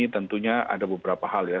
tentunya ada beberapa hal ya